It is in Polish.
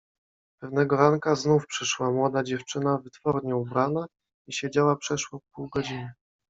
"Pewnego ranka znów przyszła młoda dziewczyna wytwornie ubrana i siedziała przeszło pół godziny."